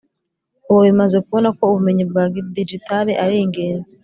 ubu bimaze kubona ko ubumenyi bwa digitale ari ingenzi